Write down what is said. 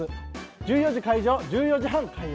１４時開場１４時半開演。